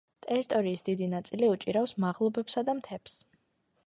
ტერიტორიის დიდი ნაწილი უჭირავს მაღლობებსა და მთებს.